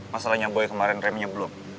masalahnya boy kemarin remnya blong